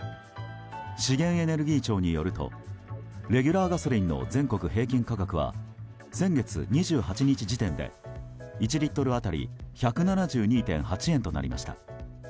資源エネルギー庁によるとレギュラーガソリンの全国平均価格は先月２８日時点で１リットル当たり１７２．８円となりました。